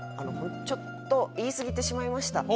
「ちょっと言いすぎてしまいました」。